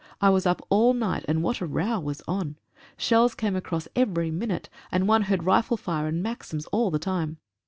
I was up all night, and what a row was on. Shells came across every minute, and one heard rifle fire and maxims all the time.